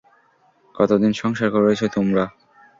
কতদিন সংসার করেছ তোমরা?